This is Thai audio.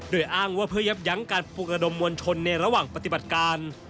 โดยอ้างว่าเพื่อยับยั้งการปลูกระดมมวลชนในระหว่างปฏิบัติการ